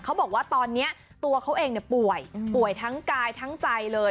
เขาบอกว่าตอนนี้ตัวเขาเองป่วยป่วยทั้งกายทั้งใจเลย